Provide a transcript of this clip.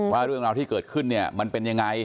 ว่าเรื่องราวที่เกิดขึ้นมันเป็นอย่างไร